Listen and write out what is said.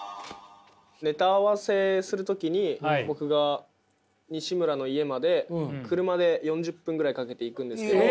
ネタ合わせする時に僕がにしむらの家まで車で４０分ぐらいかけて行くんですけど。